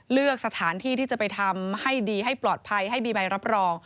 เลือกสถานที่ที่จะไปทำให้ดีให้ปลอดภัยให้มีใบรับรอง